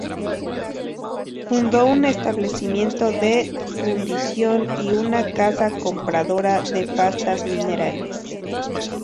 Fundó un establecimiento de fundición y una casa compradora de pastas minerales.